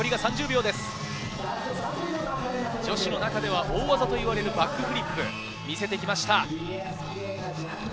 女子の中では大技といわれるバックフリップ、見せてきました。